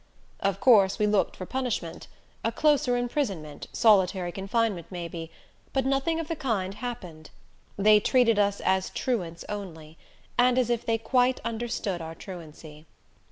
Of course we looked for punishment a closer imprisonment, solitary confinement maybe but nothing of the kind happened. They treated us as truants only, and as if they quite understood our truancy.